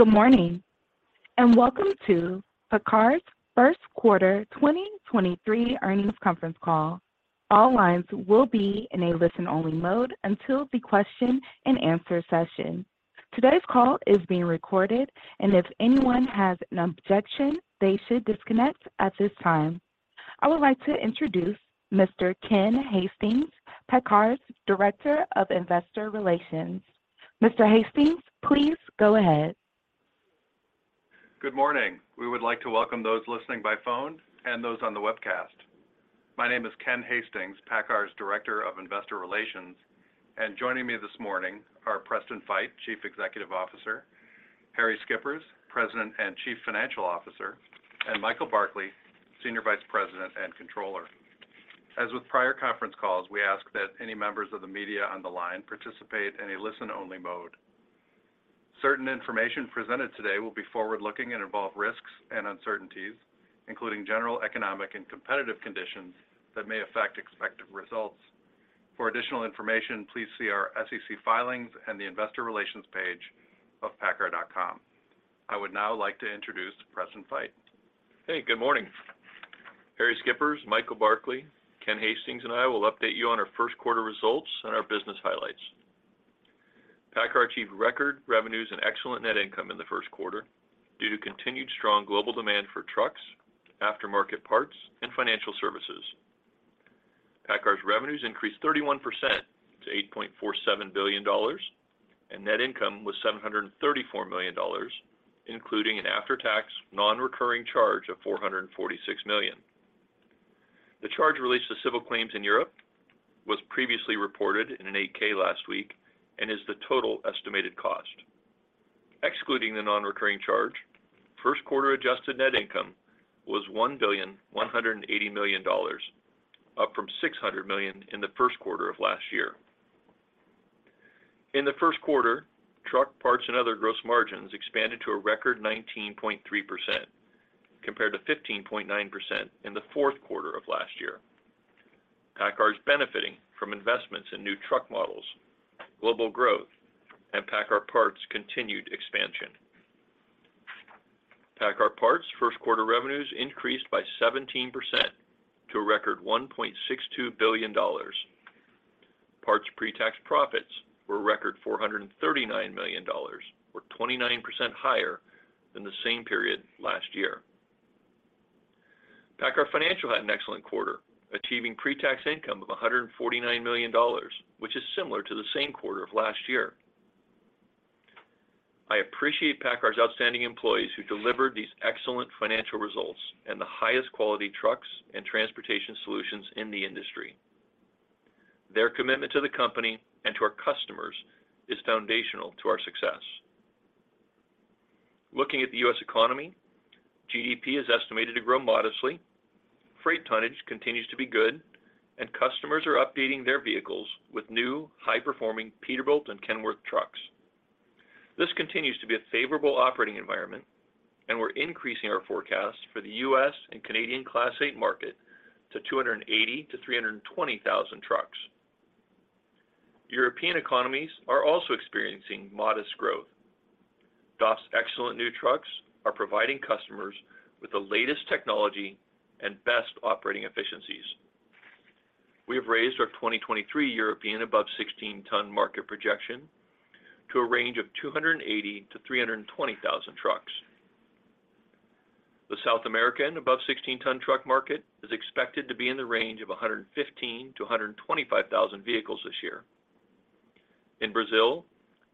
Good morning, welcome to PACCAR's first quarter 2023 earnings conference call. All lines will be in a listen-only mode until the question-and-answer session. Today's call is being recorded and if anyone has an objection, they should disconnect at this time. I would like to introduce Mr. Ken Hastings, PACCAR's Director of Investor Relations. Mr. Hastings, please go ahead. Good morning. We would like to welcome those listening by phone and those on the webcast. My name is Ken Hastings, PACCAR's Director of Investor Relations, and joining me this morning are Preston Feight, Chief Executive Officer, Harrie Schippers, President and Chief Financial Officer, and Michael Barkley, Senior Vice President and Controller. As with prior conference calls, we ask that any members of the media on the line participate in a listen-only mode. Certain information presented today will be forward-looking and involve risks and uncertainties, including general economic and competitive conditions that may affect expected results. For additional information, please see our SEC filings and the investor relations page of paccar.com. I would now like to introduce Preston Feight. Hey, good morning. Harrie Schippers, Michael Barkley, Ken Hastings, and I will update you on our first quarter results and our business highlights. PACCAR achieved record revenues and excellent net income in the first quarter due to continued strong global demand for trucks, aftermarket parts, and financial services. PACCAR's revenues increased 31% to $8.47 billion, and net income was $734 million, including an after-tax non-recurring charge of $446 million. The charge relates to civil claims in Europe, was previously reported in an 8-K last week, and is the total estimated cost. Excluding the non-recurring charge, first quarter adjusted net income was $1.18 billion, up from $600 million in the first quarter of last year. In the first quarter, truck parts and other gross margins expanded to a record 19.3% compared to 15.9% in the fourth quarter of last year. PACCAR is benefiting from investments in new truck models, global growth, and PACCAR Parts continued expansion. PACCAR Parts first quarter revenues increased by 17% to a record $1.62 billion. Parts pre-tax profits were a record $439 million, or 29% higher than the same period last year. PACCAR Financial had an excellent quarter, achieving pre-tax income of $149 million, which is similar to the same quarter of last year. I appreciate PACCAR's outstanding employees who delivered these excellent financial results and the highest quality trucks and transportation solutions in the industry. Their commitment to the company and to our customers is foundational to our success. Looking at the U.S. economy, GDP is estimated to grow modestly. Freight tonnage continues to be good, customers are updating their vehicles with new high-performing Peterbilt and Kenworth trucks. This continues to be a favorable operating environment, we're increasing our forecast for the U.S. and Canadian Class 8 market to 280,000-320,000 trucks. European economies are also experiencing modest growth. DAF's excellent new trucks are providing customers with the latest technology and best operating efficiencies. We have raised our 2023 European above 16-tonne market projection to a range of 280,000-320,000 trucks. The South American above 16-tonne truck market is expected to be in the range of 115,000-125,000 vehicles this year. In Brazil,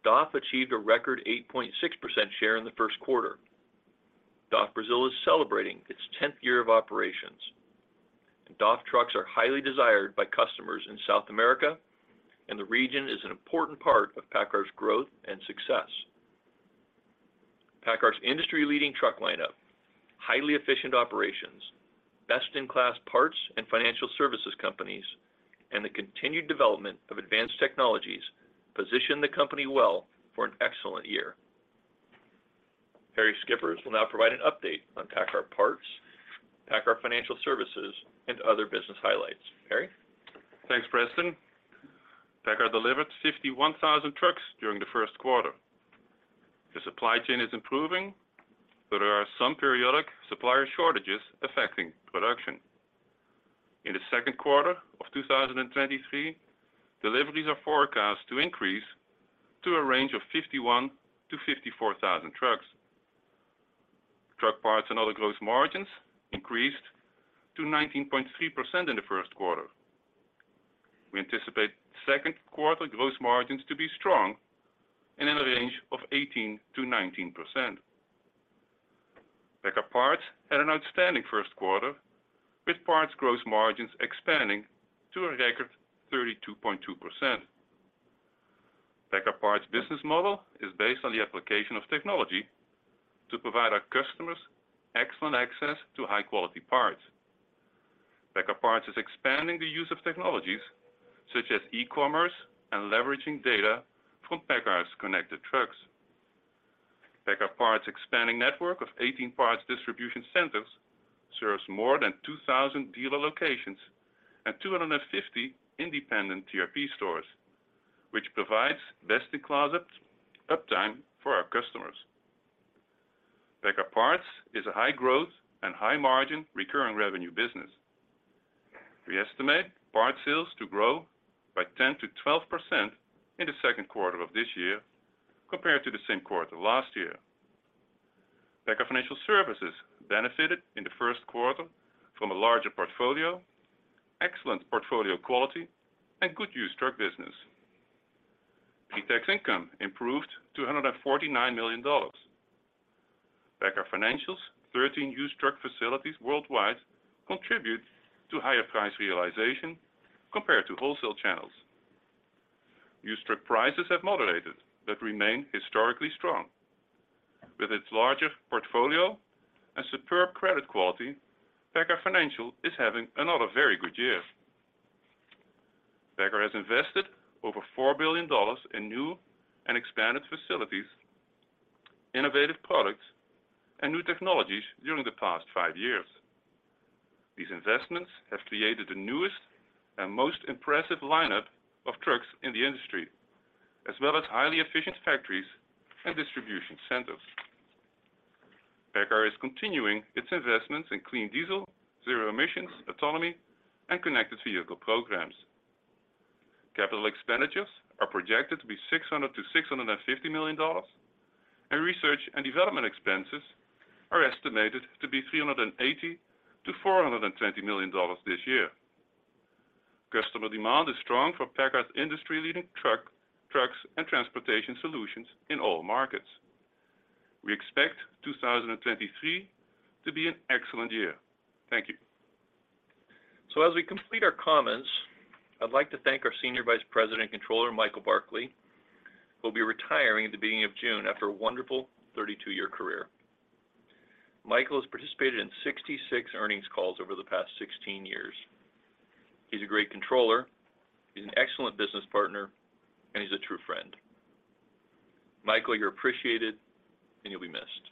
DAF achieved a record 8.6% share in the first quarter. DAF Brazil is celebrating its 10th year of operations. DAF trucks are highly desired by customers in South America and the region is an important part of PACCAR's growth and success. PACCAR's industry-leading truck lineup, highly efficient operations, best-in-class parts and financial services companies, and the continued development of advanced technologies position the company well for an excellent year. Harrie Schippers will now provide an update on PACCAR Parts, PACCAR Financial Services, and other business highlights. Harrie? Thanks, Preston. PACCAR delivered 51,000 trucks during the first quarter. The supply chain is improving, but there are some periodic supplier shortages affecting production. In the second quarter of 2023, deliveries are forecast to increase to a range of 51,000-54,000 trucks. Truck parts and other gross margins increased to 19.3% in the first quarter. We anticipate second quarter gross margins to be strong and in the range of 18%-19%. PACCAR Parts had an outstanding first quarter with parts gross margins expanding to a record 32.2%. PACCAR Parts business model is based on the application of technology to provide our customers excellent access to high-quality parts. PACCAR Parts is expanding the use of technologies such as e-commerce and leveraging data from PACCAR's connected trucks. PACCAR Parts' expanding network of 18 parts distribution centers serves more than 2,000 dealer locations and 250 independent TRP stores, which provides best-in-class uptime for our customers. PACCAR Parts is a high growth and high margin recurring revenue business. We estimate parts sales to grow by 10%-12% in the second quarter of this year compared to the same quarter last year. PACCAR Financial Services benefited in the first quarter from a larger portfolio, excellent portfolio quality, and good used truck business. Pre-tax income improved to $149 million. PACCAR Financial's 13 used truck facilities worldwide contribute to higher price realization compared to wholesale channels. Used truck prices have moderated but remain historically strong. With its larger portfolio and superb credit quality, PACCAR Financial is having another very good year. PACCAR has invested over $4 billion in new and expanded facilities, innovative products, and new technologies during the past five years. These investments have created the newest and most impressive lineup of trucks in the industry, as well as highly efficient factories and distribution centers. PACCAR is continuing its investments in clean diesel, zero emissions, autonomy, and connected vehicle programs. Capital expenditures are projected to be $600 million-$650 million, and research and development expenses are estimated to be $380 million-$420 million this year. Customer demand is strong for PACCAR's industry-leading trucks and transportation solutions in all markets. We expect 2023 to be an excellent year. Thank you. As we complete our comments, I'd like to thank our Senior Vice President and Controller, Michael Barkley, who'll be retiring at the beginning of June after a wonderful 32-year career. Michael has participated in 66 earnings calls over the past 16 years. He's a great controller, he's an excellent business partner, and he's a true friend. Michael, you're appreciated, and you'll be missed.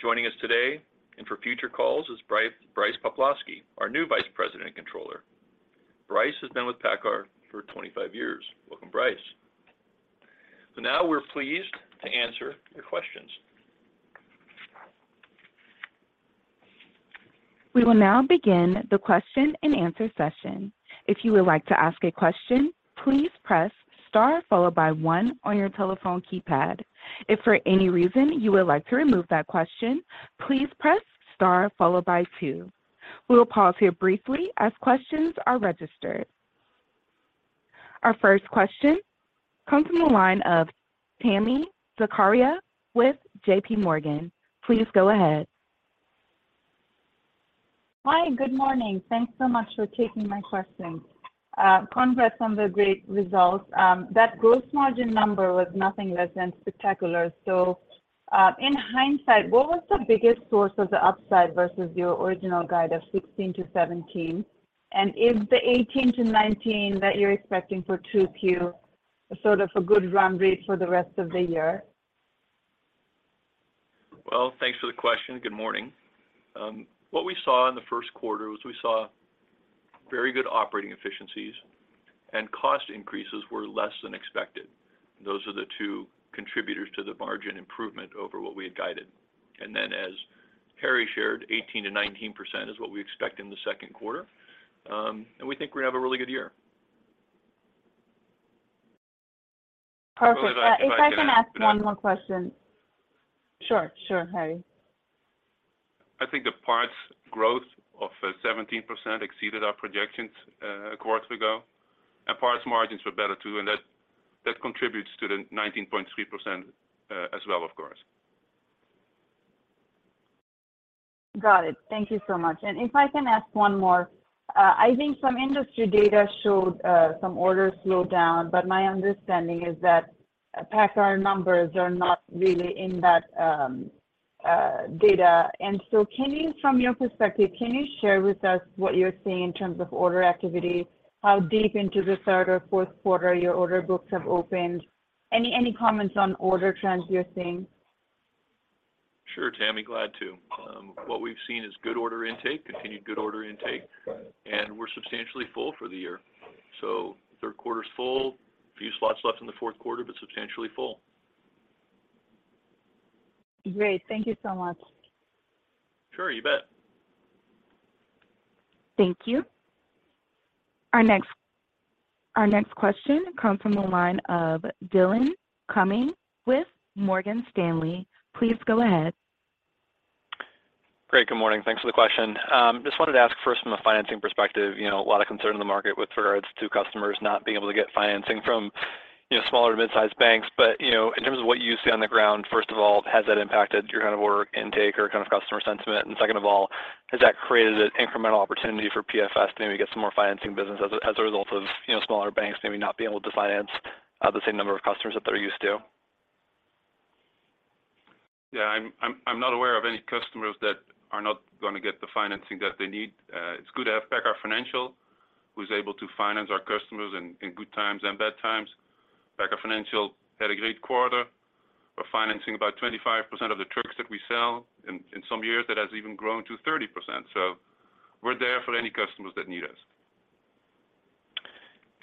Joining us today and for future calls is Brice Poplawski, our new Vice President and Controller. Brice has been with PACCAR for 25 years. Welcome, Brice. Now we're pleased to answer your questions. We will now begin the question-and-answer session. If you would like to ask a question, please press star followed by one on your telephone keypad. If for any reason you would like to remove that question, please press star followed by two. We will pause here briefly as questions are registered. Our first question comes from the line of Tami Zakaria with J.P. Morgan. Please go ahead. Hi, good morning. Thanks so much for taking my questions. Congrats on the great results. That gross margin number was nothing less than spectacular. In hindsight, what was the biggest source of the upside versus your original guide of 16%-17%? Is the 18%-19% that you're expecting for 2Q sort of a good run rate for the rest of the year? Well, thanks for the question. Good morning. What we saw in the first quarter was we saw very good operating efficiencies and cost increases were less than expected. Those are the two contributors to the margin improvement over what we had guided. As Harrie shared, 18%-19% is what we expect in the second quarter. We think we have a really good year. Perfect. If I can ask one more question. Sure. Sure, Harrie. I think the parts growth of 17% exceeded our projections a quarter ago, and parts margins were better too, and that contributes to the 19.3% as well, of course. Got it. Thank you so much. If I can ask one more. I think some industry data showed some orders slow down, but my understanding is that PACCAR numbers are not really in that data. Can you from your perspective share with us what you're seeing in terms of order activity, how deep into the third or fourth quarter your order books have opened? Any comments on order trends you're seeing? Sure, Tami. Glad to. What we've seen is good order intake, continued good order intake, and we're substantially full for the year. Third quarter's full. A few slots left in the fourth quarter, substantially full. Great. Thank you so much. Sure, you bet. Thank you. Our next question comes from the line of Dillon Cumming with Morgan Stanley. Please go ahead. Great. Good morning. Thanks for the question. Just wanted to ask first from a financing perspective, you know, a lot of concern in the market with regards to customers not being able to get financing from, you know, smaller to mid-sized banks. You know, in terms of what you see on the ground, first of all, has that impacted your kind of order intake or kind of customer sentiment? Second of all, has that created an incremental opportunity for PFS to maybe get some more financing business as a result of, you know, smaller banks maybe not being able to finance the same number of customers that they're used to? Yeah, I'm not aware of any customers that are not going to get the financing that they need. It's good to have PACCAR Financial who's able to finance our customers in good times and bad times. PACCAR Financial had a great quarter. We're financing about 25% of the trucks that we sell. In some years that has even grown to 30%. We're there for any customers that need us.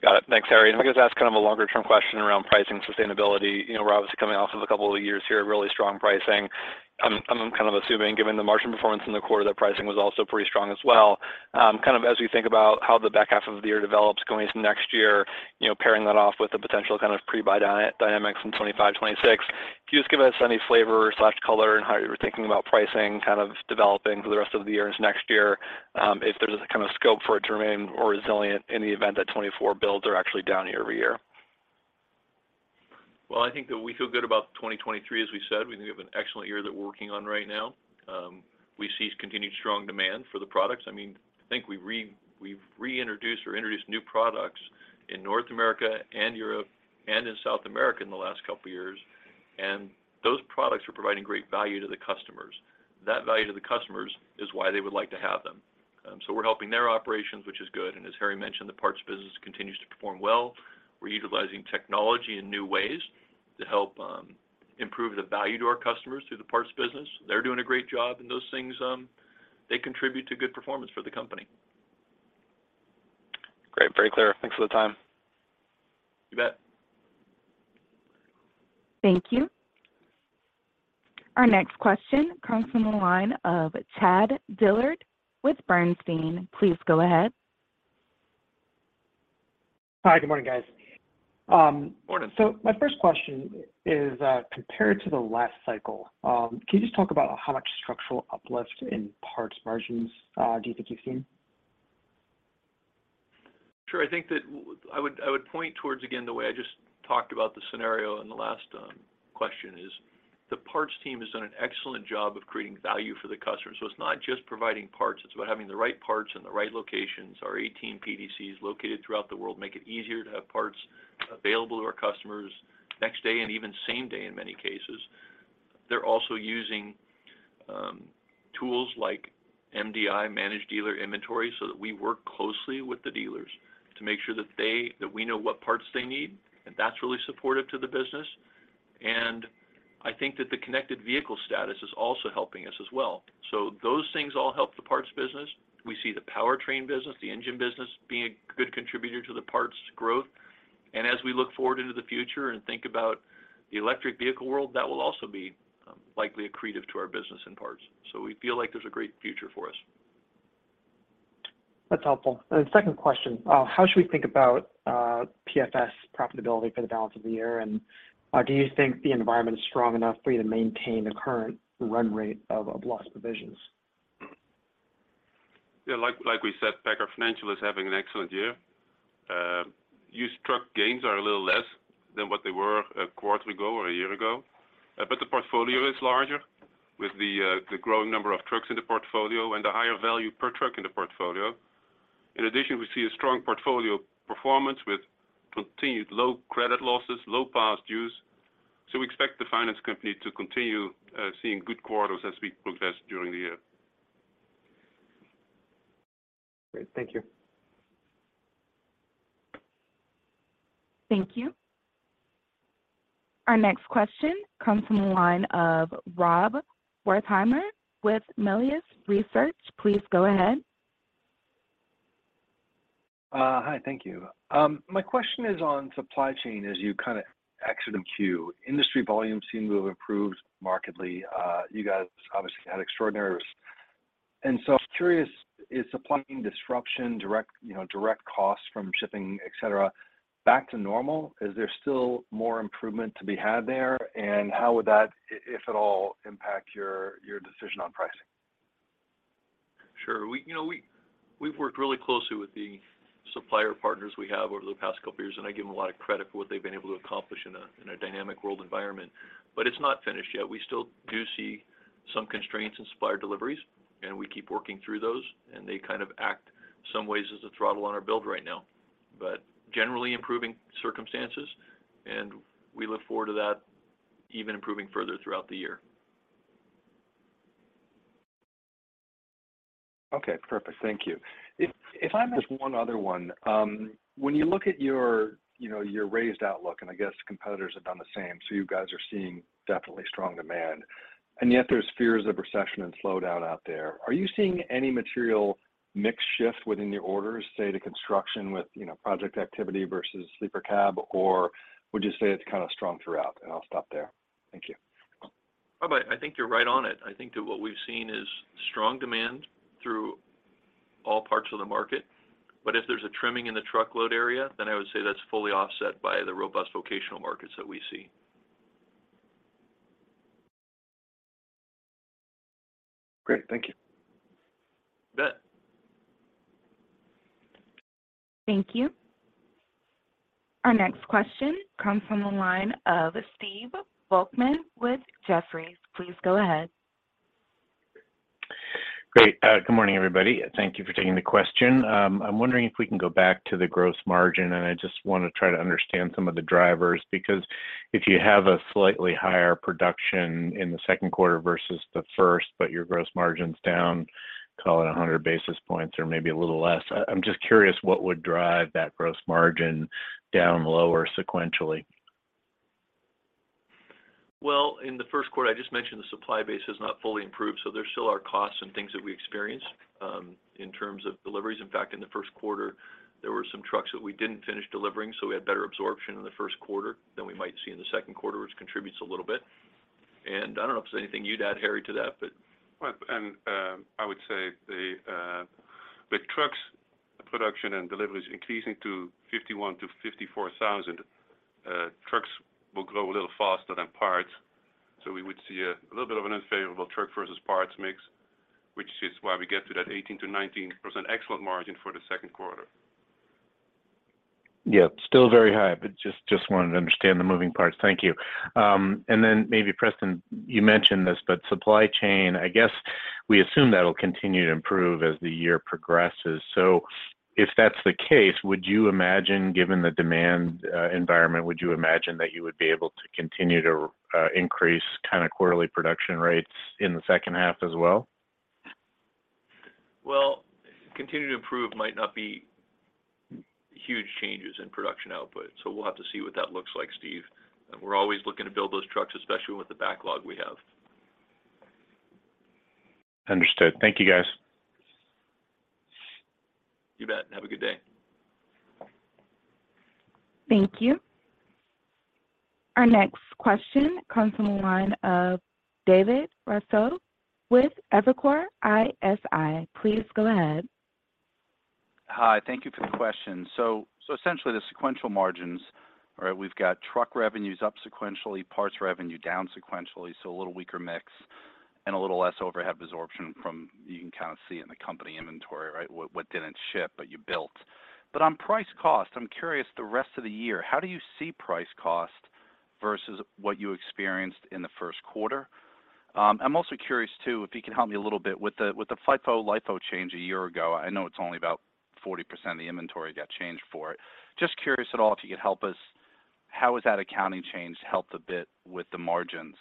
Got it. Thanks, Harry. I'm going to ask kind of a longer-term question around pricing sustainability. You know, we're obviously coming off of a couple of years here of really strong pricing. I'm kind of assuming, given the margin performance in the quarter, that pricing was also pretty strong as well. Kind of as we think about how the back half of the year develops going into next year, you know, pairing that off with the potential kind of pre-buy dynamics in 2025, 2026, can you just give us any flavor/color in how you were thinking about pricing kind of developing for the rest of the year and next year, if there's a kind of scope for it to remain more resilient in the event that 2024 builds are actually down year-over-year? Well, I think that we feel good about 2023, as we said. We think we have an excellent year that we're working on right now. We see continued strong demand for the products. I mean, I think we've reintroduced or introduced new products in North America and Europe and in South America in the last couple years. Those products are providing great value to the customers. That value to the customers is why they would like to have them. We're helping their operations, which is good. As Harrie mentioned, the parts business continues to perform well. We're utilizing technology in new ways to help improve the value to our customers through the parts business. They're doing a great job in those things. They contribute to good performance for the company. Great. Very clear. Thanks for the time. You bet. Thank you. Our next question comes from the line of Chad Dillard with Bernstein. Please go ahead. Hi, good morning, guys. Morning. My first question is, compared to the last cycle, can you just talk about how much structural uplift in parts margins, do you think you've seen? Sure. I think that I would point towards, again, the way I just talked about the scenario in the last question, is the parts team has done an excellent job of creating value for the customer. It's not just providing parts, it's about having the right parts in the right locations. Our 18 PDCs located throughout the world make it easier to have parts available to our customers next day and even same day in many cases. They're also using tools like MDI, Managed Dealer Inventory, that we work closely with the dealers to make sure that we know what parts they need, that's really supportive to the business. I think that the connected vehicle status is also helping us as well. Those things all help the parts business. We see the powertrain business, the engine business being a good contributor to the parts growth. As we look forward into the future and think about the electric vehicle world, that will also be likely accretive to our business in parts. We feel like there's a great future for us. That's helpful. Second question, how should we think about PFS profitability for the balance of the year? Do you think the environment is strong enough for you to maintain the current run rate of loss provisions? Yeah, like we said, PACCAR Financial is having an excellent year. Used truck gains are a little less than what they were a quarter ago or a year ago, the portfolio is larger with the growing number of trucks in the portfolio and the higher value per truck in the portfolio. In addition, we see a strong portfolio performance with continued low credit losses, low past dues, we expect the finance company to continue seeing good quarters as we progress during the year. Great. Thank you. Thank you. Our next question comes from the line of Rob Wertheimer with Melius Research. Please go ahead. Hi. Thank you. My question is on supply chain as you kind of exit and Q. Industry volumes seem to have improved markedly. You guys obviously had extraordinary risks. I was curious, is supply chain disruption direct, you know, direct costs from shipping, et cetera, back to normal? Is there still more improvement to be had there? How would that, if at all, impact your decision on pricing? Sure. We, you know, we've worked really closely with the supplier partners we have over the past couple years, and I give them a lot of credit for what they've been able to accomplish in a, in a dynamic world environment, but it's not finished yet. We still do see some constraints in supplier deliveries, and we keep working through those, and they kind of act some ways as a throttle on our build right now. Generally improving circumstances, and we look forward to that even improving further throughout the year. Okay, perfect. Thank you. If I may ask one other one. When you look at your, you know, your raised outlook, and I guess competitors have done the same, so you guys are seeing definitely strong demand, and yet there's fears of recession and slowdown out there. Are you seeing any material mix shift within your orders, say, to construction with, you know, project activity versus sleeper cab? Would you say it's kind of strong throughout? I'll stop there. Thank you. Rob, I think you're right on it. I think that what we've seen is strong demand through all parts of the market, if there's a trimming in the truckload area, I would say that's fully offset by the robust vocational markets that we see. Great. Thank you. You bet. Thank you. Our next question comes from the line of Stephen Volkmann with Jefferies. Please go ahead. Great. Good morning, everybody. Thank you for taking the question. I'm wondering if we can go back to the gross margin, and I just want to try to understand some of the drivers because if you have a slightly higher production in the second quarter versus the first but your gross margin's down, call it 100 basis points or maybe a little less. I'm just curious what would drive that gross margin down lower sequentially? In the first quarter, I just mentioned the supply base has not fully improved, so there still are costs and things that we experienced in terms of deliveries. In fact, in the first quarter, there were some trucks that we didn't finish delivering, so we had better absorption in the first quarter than we might see in the second quarter, which contributes a little bit. I don't know if there's anything you'd add, Harrie, to that. I would say the with trucks production and deliveries increasing to 51,000-54,000 trucks will grow a little faster than parts. We would see a little bit of an unfavorable truck versus parts mix, which is why we get to that 18%-19% excellent margin for the second quarter. Yeah. Still very high, but just wanted to understand the moving parts. Thank you. Then maybe Preston, you mentioned this, but supply chain, I guess we assume that'll continue to improve as the year progresses. If that's the case, would you imagine, given the demand environment, that you would be able to continue to increase kind of quarterly production rates in the second half as well? Continue to improve might not be huge changes in production output, so we'll have to see what that looks like, Steve. We're always looking to build those trucks, especially with the backlog we have. Understood. Thank you, guys. You bet. Have a good day. Thank you. Our next question comes from the line of David Raso with Evercore ISI. Please go ahead. Hi, thank you for the question. Essentially the sequential margins, right? We've got truck revenues up sequentially, parts revenue down sequentially, so a little weaker mix and a little less overhead absorption from, you can kind of see in the company inventory, right? What didn't ship, but you built. On price cost, I'm curious, the rest of the year, how do you see price cost versus what you experienced in the first quarter? I'm also curious too, if you could help me a little bit with the FIFO, LIFO change a year ago. I know it's only about 40% of the inventory got changed for it. Just curious at all if you could help us, how has that accounting change helped a bit with the margins?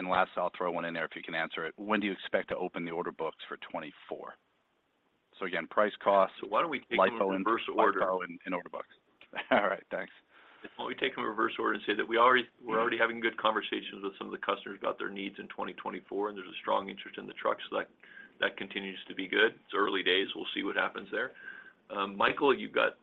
Last, I'll throw one in there if you can answer it. When do you expect to open the order books for 2024? Again, price costs. Why don't we take them in reverse order? LIFO and order books. All right. Thanks. Why don't we take them in reverse order and say that we're already having good conversations with some of the customers about their needs in 2024, and there's a strong interest in the trucks, so that continues to be good. It's early days. We'll see what happens there. Michael, you've got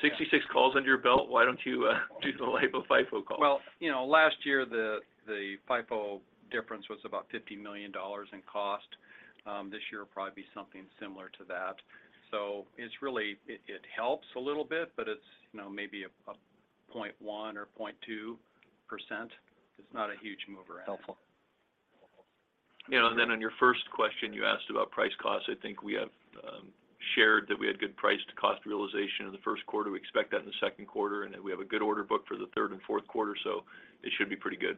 66 calls under your belt. Why don't you do the LIFO, FIFO call? Well, you know, last year the FIFO difference was about $50 million in cost. This year it'll probably be something similar to that. It's really, it helps a little bit, but it's, you know, maybe a 0.1% or 0.2%. It's not a huge mover item. Helpful. You know, on your first question you asked about price costs. I think we have shared that we had good price to cost realization in the first quarter. We expect that in the second quarter, and that we have a good order book for the third and fourth quarter. It should be pretty good.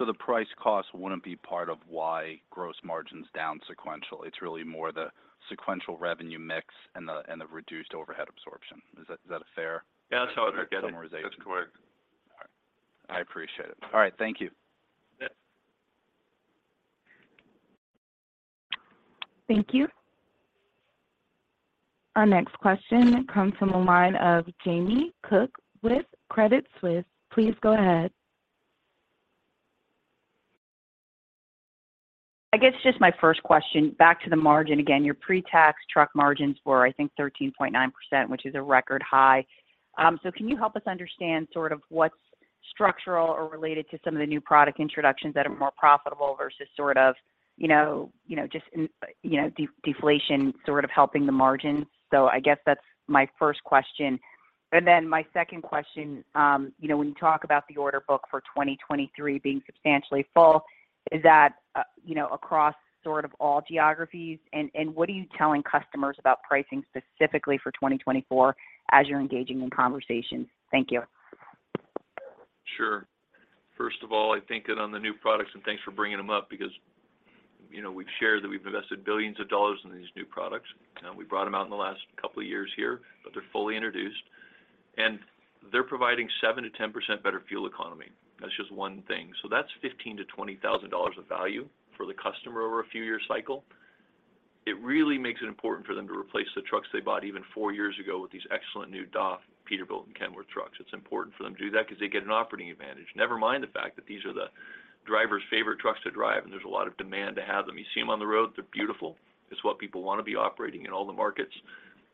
The price costs wouldn't be part of why gross margin's down sequentially. It's really more the sequential revenue mix and the reduced overhead absorption. Is that a fair? Yeah, that's how I would get it. Summarization? That's correct. All right. I appreciate it. All right. Thank you. Yep. Thank you. Our next question comes from the line of Jamie Cook with Credit Suisse. Please go ahead. I guess just my first question, back to the margin again. Your pre-tax truck margins were, I think, 13.9%, which is a record high. Can you help us understand sort of what's structural or related to some of the new product introductions that are more profitable versus sort of, you know, you know, just in, you know, de-deflation sort of helping the margins? I guess that's my first question. My second question, you know, when you talk about the order book for 2023 being substantially full, is that, you know, across sort of all geographies? What are you telling customers about pricing specifically for 2024 as you're engaging in conversations? Thank you. Sure. First of all, I think that on the new products. Thanks for bringing them up, because, you know, we've shared that we've invested billions of dollars in these new products. You know, we brought them out in the last couple of years here, but they're fully introduced. They're providing 7%-10% better fuel economy. That's just one thing. That's $15,000-$20,000 of value for the customer over a few year cycle. It really makes it important for them to replace the trucks they bought even four years ago with these excellent new DAF, Peterbilt, and Kenworth trucks. It's important for them to do that because they get an operating advantage. Never mind the fact that these are the drivers' favorite trucks to drive, and there's a lot of demand to have them. You see them on the road, they're beautiful. It's what people want to be operating in all the markets.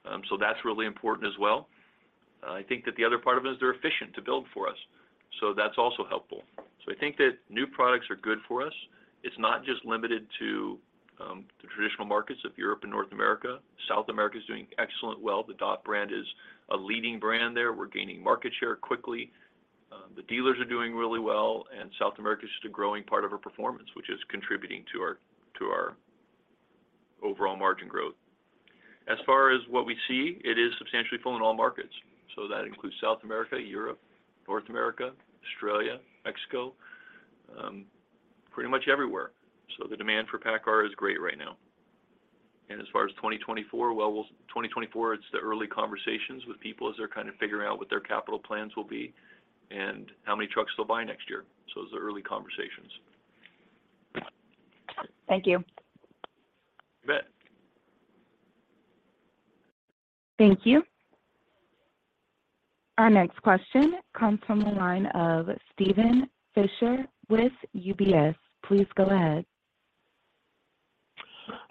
That's really important as well. I think that the other part of it is they're efficient to build for us, so that's also helpful. I think that new products are good for us. It's not just limited to the traditional markets of Europe and North America. South America is doing excellent well. The DAF brand is a leading brand there. We're gaining market share quickly. The dealers are doing really well, and South America is just a growing part of our performance, which is contributing to our overall margin growth. As far as what we see, it is substantially full in all markets. That includes South America, Europe, North America, Australia, Mexico, pretty much everywhere. The demand for PACCAR is great right now. As far as 2024, well, 2024, it's the early conversations with people as they're kind of figuring out what their capital plans will be and how many trucks they'll buy next year. Those are early conversations. Thank you. You bet. Thank you. Our next question comes from the line of Steven Fisher with UBS. Please go ahead.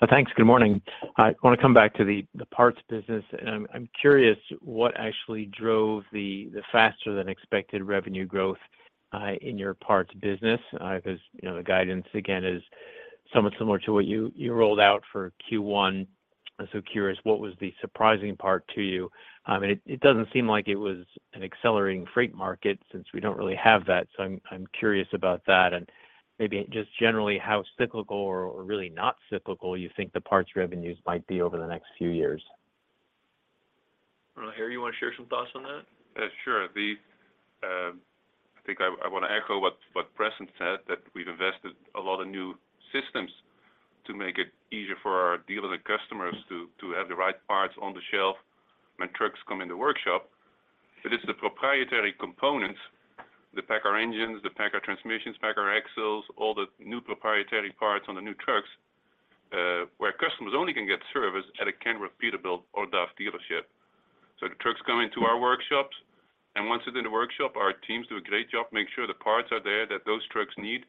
Thanks. Good morning. I want to come back to the parts business, and I'm curious what actually drove the faster than expected revenue growth in your parts business, because, you know, the guidance, again, is somewhat similar to what you rolled out for Q1. I'm so curious what was the surprising part to you. I mean, it doesn't seem like it was an accelerating freight market since we don't really have that. I'm curious about that and maybe just generally how cyclical or really not cyclical you think the parts revenues might be over the next few years. Well, Harrie, you want to share some thoughts on that? Sure. I think I want to echo what Preston said, that we've invested a lot of new systems to make it easier for our dealers and customers to have the right parts on the shelf when trucks come in the workshop. It's the proprietary components, the PACCAR Engines, the PACCAR Transmissions, PACCAR axles, all the new proprietary parts on the new trucks, where customers only can get service at a Kenworth, Peterbilt or DAF dealership. The trucks come into our workshops, and once it's in the workshop, our teams do a great job making sure the parts are there that those trucks need.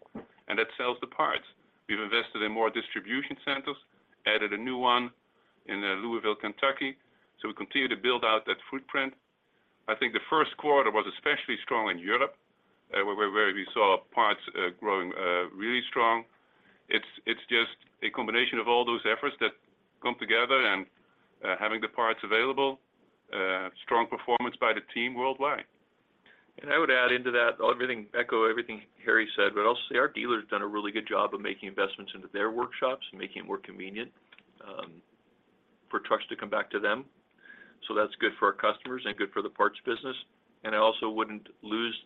That sells the parts. We've invested in more distribution centers, added a new one in Louisville, Kentucky. We continue to build out that footprint. I think the first quarter was especially strong in Europe, where we saw parts, growing, really strong. It's just a combination of all those efforts that come together and, having the parts available, strong performance by the team worldwide. I would add into that, echo everything Harrie said, but I'll say our dealers done a really good job of making investments into their workshops, making it more convenient for trucks to come back to them. That's good for our customers and good for the parts business. I also wouldn't lose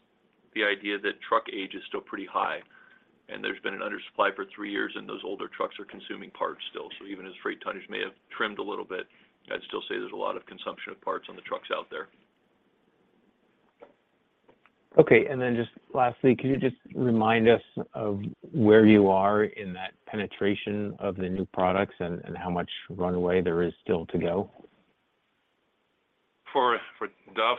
the idea that truck age is still pretty high. There's been an under supply for three years, and those older trucks are consuming parts still. Even as freight tonnage may have trimmed a little bit, I'd still say there's a lot of consumption of parts on the trucks out there. Okay. Just lastly, could you just remind us of where you are in that penetration of the new products and how much runway there is still to go? For DAF,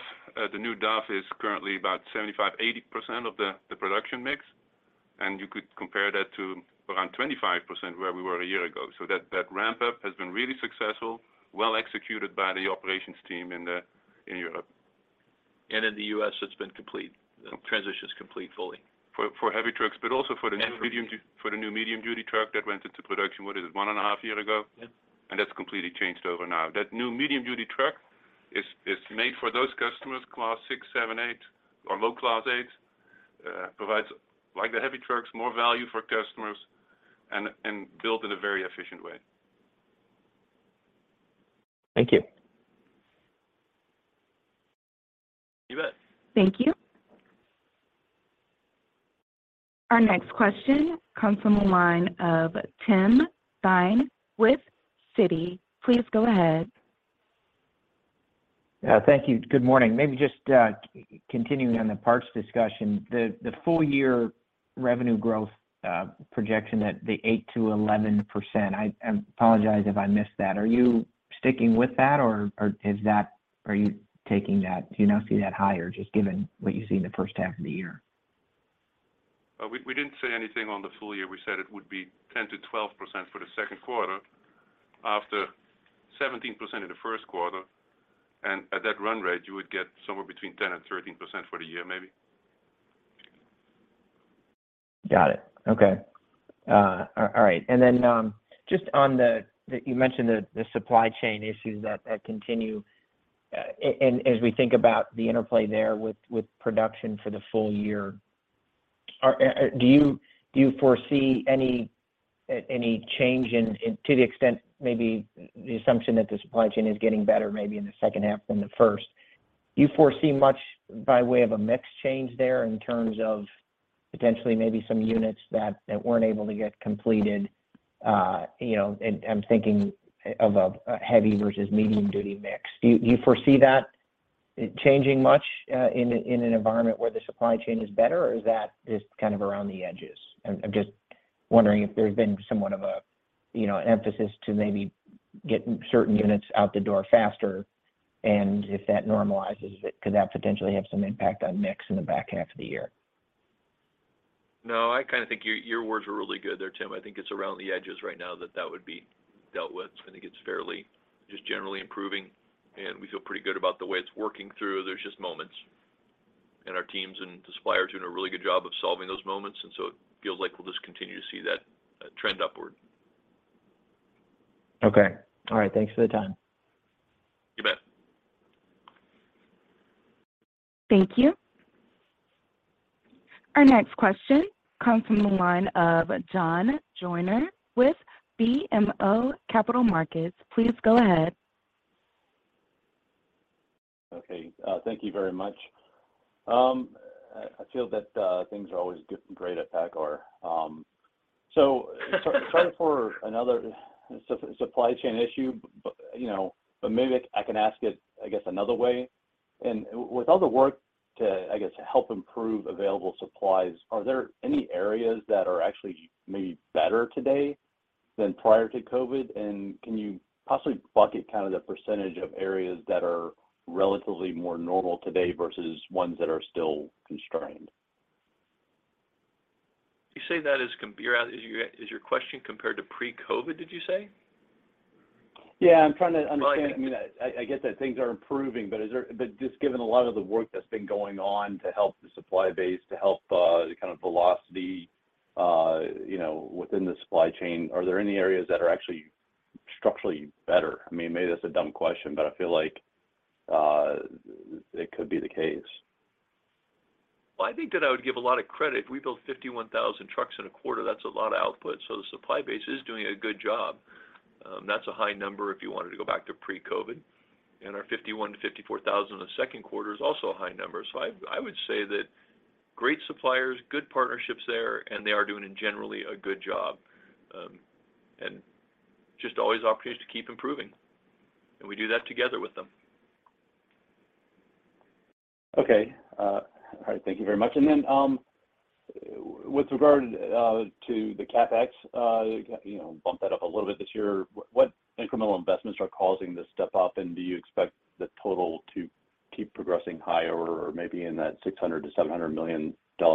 the new DAF is currently about 75%-80% of the production mix, and you could compare that to around 25% where we were a year ago. That ramp-up has been really successful, well executed by the operations team in Europe. In the U.S., it's been complete. The transition is complete fully. For heavy trucks, but also for the new medium-duty truck that went into production, what is it, one and a half year ago? Yeah. That's completely changed over now. That new medium-duty truck is made for those customers, Class 6, 7, 8 or low Class 8s. Provides, like the heavy trucks, more value for customers and built in a very efficient way. Thank you. You bet. Thank you. Our next question comes from the line of Tim Thein with Citi. Please go ahead. Yeah, thank you. Good morning. Maybe just continuing on the parts discussion, the full year revenue growth, projection at the 8%-11%, I apologize if I missed that. Are you sticking with that or do you now see that higher just given what you see in the first half of the year? We didn't say anything on the full year. We said it would be 10%-12% for the second quarter after 17% in the first quarter. At that run rate, you would get somewhere between 10% and 13% for the year, maybe. Got it. Okay. all right. just on the, you mentioned the supply chain issues that continue. as we think about the interplay there with production for the full year, do you foresee any change to the extent maybe the assumption that the supply chain is getting better maybe in the second half than the first. Do you foresee much by way of a mix change there in terms of potentially maybe some units that weren't able to get completed, you know, and I'm thinking of a heavy versus medium-duty mix. Do you foresee that changing much in an environment where the supply chain is better or is that just kind of around the edges? I'm just wondering if there's been somewhat of a, you know, an emphasis to maybe get certain units out the door faster, and if that normalizes, could that potentially have some impact on mix in the back half of the year? I kind of think your words were really good there, Tim. I think it's around the edges right now that that would be dealt with. I think it's fairly just generally improving, and we feel pretty good about the way it's working through. There's just moments, our teams and the suppliers are doing a really good job of solving those moments. It feels like we'll just continue to see that trend upward. Okay. All right. Thanks for the time. You bet. Thank you. Our next question comes from the line of John Joyner with BMO Capital Markets. Please go ahead. Thank you very much. I feel that things are always great at PACCAR. Sorry for another supply chain issue, you know, maybe I can ask it, I guess, another way. With all the work to, I guess, help improve available supplies, are there any areas that are actually maybe better today than prior to COVID? Can you possibly bucket kind of the percentage of areas that are relatively more normal today versus ones that are still constrained? You say that Is your question compared to pre-COVID, did you say? Yeah, I'm trying to understand. Well. I mean, I get that things are improving, but is there? Just given a lot of the work that's been going on to help the supply base, to help the kind of velocity, you know, within the supply chain, are there any areas that are actually structurally better? I mean, maybe that's a dumb question, but I feel like it could be the case. Well, I think that I would give a lot of credit. We built 51,000 trucks in a quarter. That's a lot of output, so the supply base is doing a good job. That's a high number if you wanted to go back to pre-COVID. Our 51,000-54,000 in the second quarter is also a high number. I would say that great suppliers, good partnerships there, and they are doing a generally a good job. Just always opportunities to keep improving, and we do that together with them. Okay. All right, thank you very much. With regard to the CapEx, you know, bumped that up a little bit this year. What incremental investments are causing this step up? Do you expect the total to keep progressing higher or maybe in that $600 million-$700 million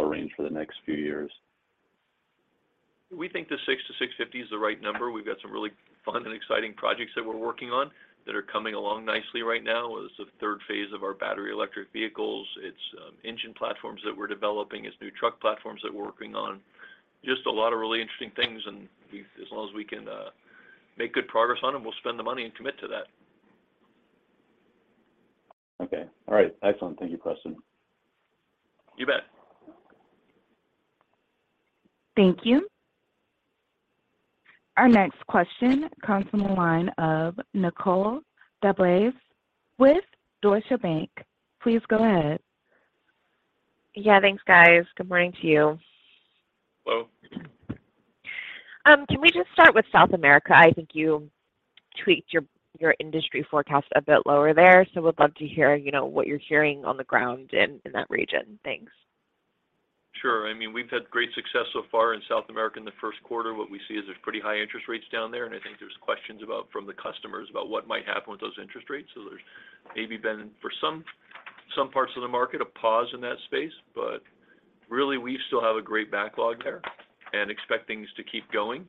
range for the next few years? We think the six to six fifty is the right number. We've got some really fun and exciting projects that we're working on that are coming along nicely right now. It's the third phase of our battery electric vehicles. It's engine platforms that we're developing. It's new truck platforms that we're working on. Just a lot of really interesting things, and as long as we can make good progress on them, we'll spend the money and commit to that. Okay. All right. Excellent. Thank you. Question. You bet. Thank you. Our next question comes from the line of Nicole DeBlase with Deutsche Bank. Please go ahead. Yeah, thanks, guys. Good morning to you. Hello. Can we just start with South America? I think you tweaked your industry forecast a bit lower there. We'd love to hear, you know, what you're hearing on the ground in that region. Thanks. Sure. I mean, we've had great success so far in South America in the first quarter. What we see is there's pretty high interest rates down there, and I think there's questions from the customers about what might happen with those interest rates. There's maybe been, for some parts of the market, a pause in that space. Really, we still have a great backlog there and expect things to keep going.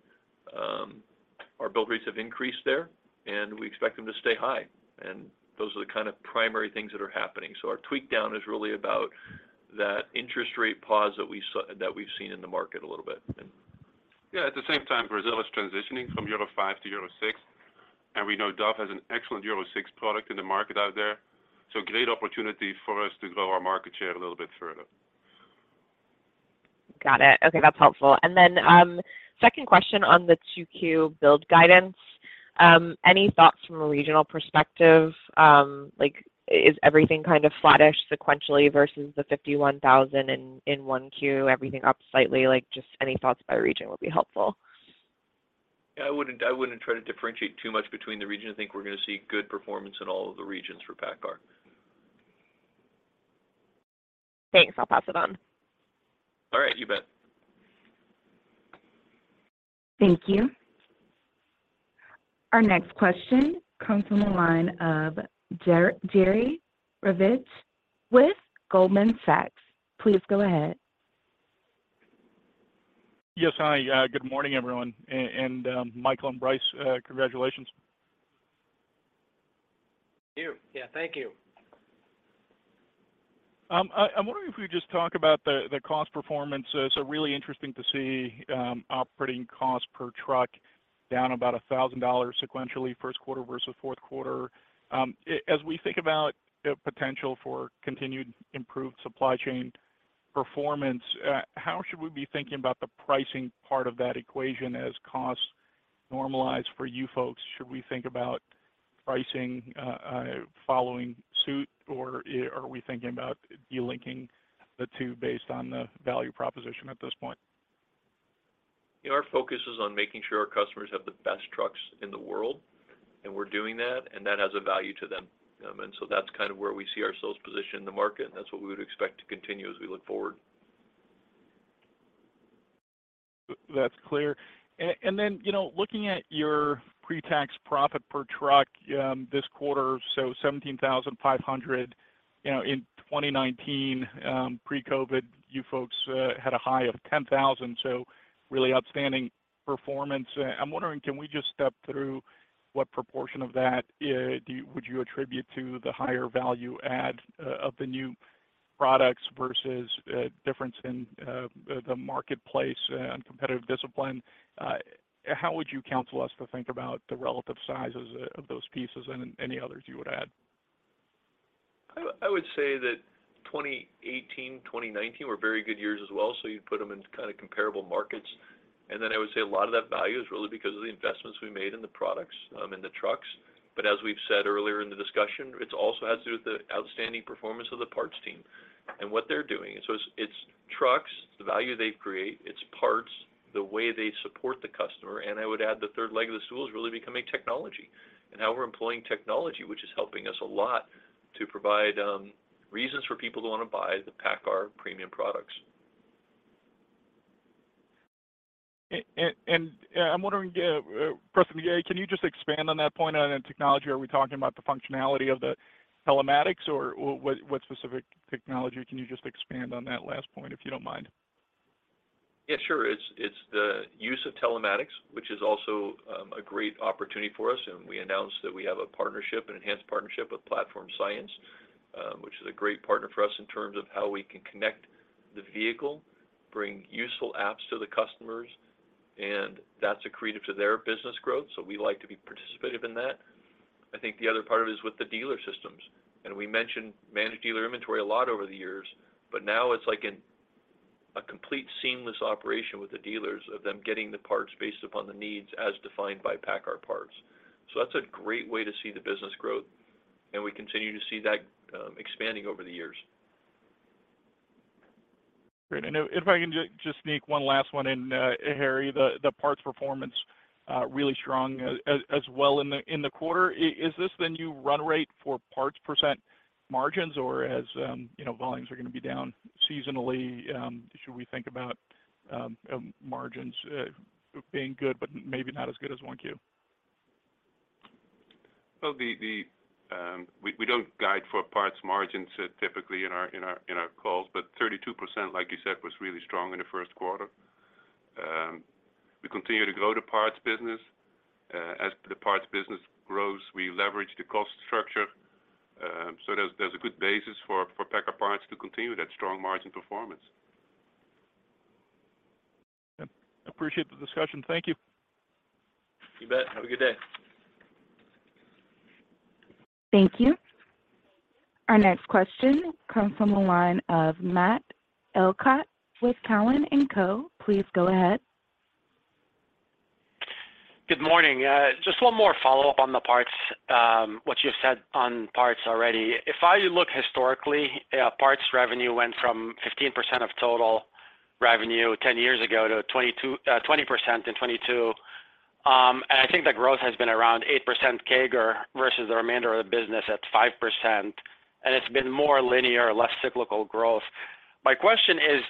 Our build rates have increased there, and we expect them to stay high. Those are the kind of primary things that are happening. Our tweak down is really about that interest rate pause that we've seen in the market a little bit. Yeah, at the same time, Brazil is transitioning from Euro 5 to Euro 6, and we know DAF has an excellent Euro 6 product in the market out there, so great opportunity for us to grow our market share a little bit further. Got it. Okay, that's helpful. Second question on the 2Q build guidance. Any thoughts from a regional perspective? Like is everything kind of flattish sequentially versus the 51,000 in 1Q, everything up slightly? Like, just any thoughts by region would be helpful. Yeah, I wouldn't try to differentiate too much between the regions. I think we're going to see good performance in all of the regions for PACCAR. Thanks. I'll pass it on. All right. You bet. Thank you. Our next question comes from the line of Jerry Revich with Goldman Sachs. Please go ahead. Yes. Hi. good morning, everyone. Michael and Bryce, congratulations. Thank you. Yeah, thank you. I'm wondering if you could just talk about the cost performance. Really interesting to see operating costs per truck down about $1,000 sequentially first quarter versus fourth quarter. As we think about the potential for continued improved supply chain performance, how should we be thinking about the pricing part of that equation as costs normalize for you folks? Should we think about pricing following suit, or are we thinking about delinking the two based on the value proposition at this point? Our focus is on making sure our customers have the best trucks in the world, and we're doing that, and that has a value to them. That's kind of where we see ourselves positioned in the market, and that's what we would expect to continue as we look forward. That's clear. You know, looking at your pre-tax profit per truck, this quarter, so $17,500. You know, in 2019, pre-COVID, you folks had a high of $10,000, so really outstanding performance. I'm wondering, can we just step through what proportion of that would you attribute to the higher value add of the new products versus difference in the marketplace and competitive discipline? How would you counsel us to think about the relative sizes of those pieces and any others you would add? I would say 2018, 2019 were very good years as well, so you'd put them in kind of comparable markets. I would say a lot of that value is really because of the investments we made in the products, in the trucks. As we've said earlier in the discussion, it's also has to do with the outstanding performance of the parts team and what they're doing. It's trucks, the value they create, it's parts, the way they support the customer, and I would add the third leg of the stool is really becoming technology and how we're employing technology, which is helping us a lot to provide reasons for people to want to buy the PACCAR premium products. I'm wondering, first, can you just expand on that point on technology? Are we talking about the functionality of the telematics or what specific technology? Can you just expand on that last point, if you don't mind? Yeah, sure. It's the use of telematics, which is also a great opportunity for us, and we announced that we have a partnership, an enhanced partnership with Platform Science, which is a great partner for us in terms of how we can connect the vehicle, bring useful apps to the customers, and that's accretive to their business growth. We like to be participative in that. I think the other part of it is with the dealer systems. We mentioned Managed Dealer Inventory a lot over the years, but now it's like a complete seamless operation with the dealers of them getting the parts based upon the needs as defined by PACCAR Parts. That's a great way to see the business growth, and we continue to see that expanding over the years. Great. If I can just sneak one last one in, Harrie, the parts performance, really strong as well in the quarter. Is this the new run rate for parts % margins or as, you know, volumes are going to be down seasonally, should we think about margins being good but maybe not as good as 1Q? We don't guide for parts margins typically in our calls, but 32%, like you said, was really strong in the first quarter. We continue to grow the parts business. As the parts business grows, we leverage the cost structure, so there's a good basis for PACCAR Parts to continue that strong margin performance. Yep. Appreciate the discussion. Thank you. You bet. Have a good day. Thank you. Our next question comes from the line of Matt Elkott with Cowen and Co. Please go ahead. Good morning. Just one more follow-up on the parts, what you said on parts already. If I look historically, parts revenue went from 15% of total revenue 10 years ago to 20% in 2022. I think the growth has been around 8% CAGR versus the remainder of the business at 5%, and it's been more linear, less cyclical growth. My question is,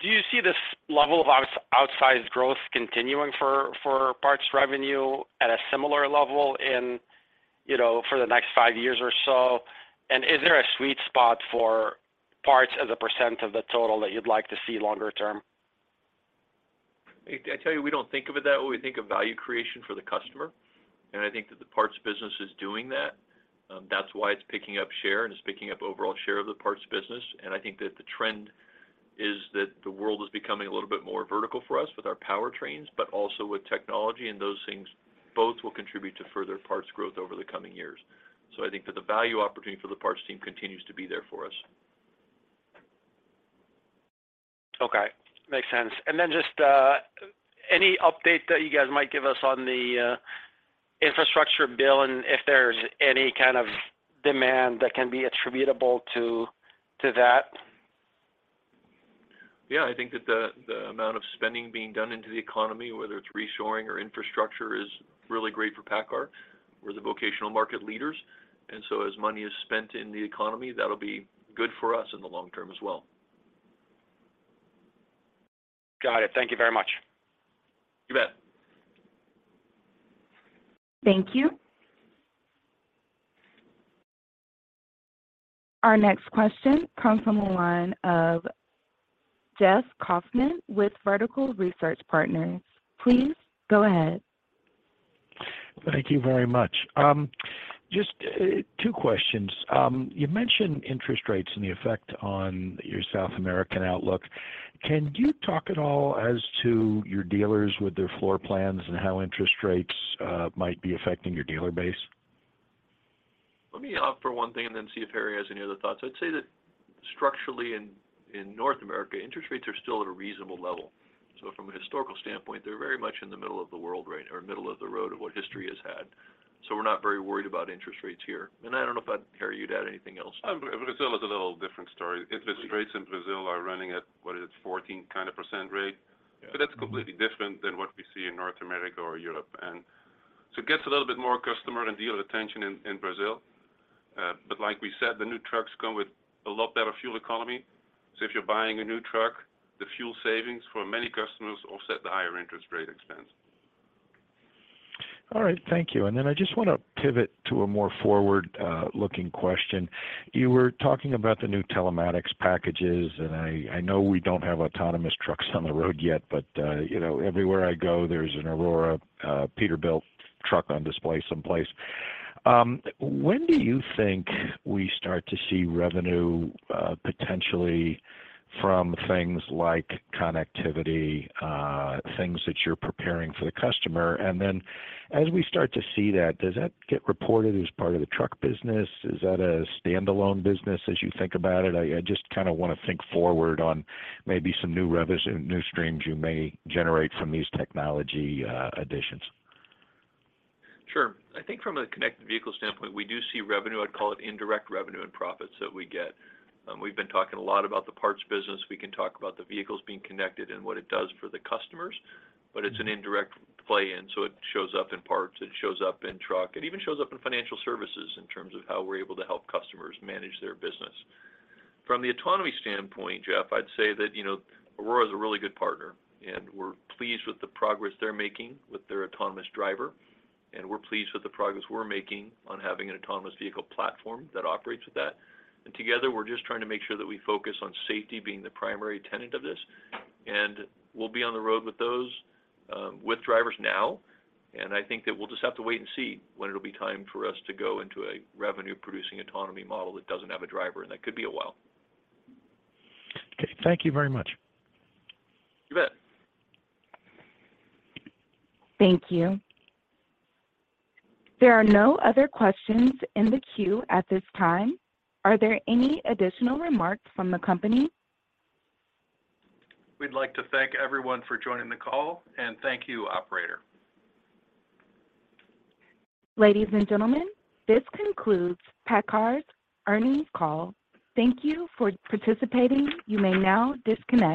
do you see this level of outsized growth continuing for parts revenue at a similar level in, you know, for the next 5 years or so? Is there a sweet spot for parts as a percent of the total that you'd like to see longer term? I tell you, we don't think of it that way. We think of value creation for the customer. I think that the parts business is doing that. That's why it's picking up share and it's picking up overall share of the parts business. I think that the trend is that the world is becoming a little bit more vertical for us with our powertrains, but also with technology and those things both will contribute to further parts growth over the coming years. I think that the value opportunity for the parts team continues to be there for us. Okay. Makes sense. Just any update that you guys might give us on the Infrastructure Bill and if there's any kind of demand that can be attributable to that? Yeah. I think that the amount of spending being done into the economy, whether it's reshoring or infrastructure, is really great for PACCAR. We're the vocational market leaders, and so as money is spent in the economy, that'll be good for us in the long term as well. Got it. Thank you very much. You bet. Thank you. Our next question comes from the line of Jeffrey Kauffman with Vertical Research Partners. Please go ahead. Thank you very much. Just 2 questions. You mentioned interest rates and the effect on your South American outlook. Can you talk at all as to your dealers with their floor plans and how interest rates might be affecting your dealer base? Let me offer one thing. See if Harrie has any other thoughts. I'd say that structurally in North America, interest rates are still at a reasonable level. From a historical standpoint, they're very much in the middle of the world range or middle of the road of what history has had. We're not very worried about interest rates here. I don't know if, Harrie, you'd add anything else. Brazil is a little different story. Interest rates in Brazil are running at, what is it, 14% kind of rate. That's completely different than what we see in North America or Europe. It gets a little bit more customer and dealer attention in Brazil. Like we said, the new trucks come with a lot better fuel economy. If you're buying a new truck, the fuel savings for many customers offset the higher interest rate expense. All right. Thank you. I just want to pivot to a more forward-looking question. You were talking about the new telematics packages. I know we don't have autonomous trucks on the road yet, but, you know, everywhere I go, there's an Aurora Peterbilt truck on display someplace. When do you think we start to see revenue potentially from things like connectivity, things that you're preparing for the customer? As we start to see that, does that get reported as part of the truck business? Is that a standalone business as you think about it? I just kinda want to think forward on maybe some new streams you may generate from these technology additions. Sure. I think from a connected vehicle standpoint, we do see revenue, I'd call it indirect revenue and profits that we get. We've been talking a lot about the parts business. We can talk about the vehicles being connected and what it does for the customers, but it's an indirect play in, so it shows up in parts, it shows up in truck. It even shows up in financial services in terms of how we're able to help customers manage their business. From the autonomy standpoint, Jeff, I'd say that, you know Aurora is a really good partner, and we're pleased with the progress they're making with their autonomous driver, and we're pleased with the progress we're making on having an autonomous vehicle platform that operates with that. Together, we're just trying to make sure that we focus on safety being the primary tenet of this. We'll be on the road with those, with drivers now. I think that we'll just have to wait and see when it'll be time for us to go into a revenue-producing autonomy model that doesn't have a driver, and that could be a while. Okay. Thank you very much. You bet. Thank you. There are no other questions in the queue at this time. Are there any additional remarks from the company? We'd like to thank everyone for joining the call, and thank you, operator. Ladies and gentlemen, this concludes PACCAR's earnings call. Thank you for participating. You may now disconnect.